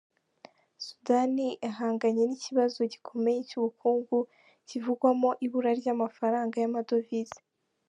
Sudani ihanganye n'ikibazo gikomeye cy'ubukungu kivugwamo ibura ry'amafaranga y'amadovize.